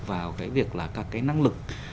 vào cái việc là các cái năng lực